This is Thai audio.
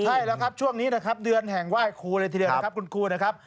ใช่แล้วครับช่วงนี้นะครับเดือนแห่งไหว้ครูเลยทีเดียวนะครับคุณครูนะครับ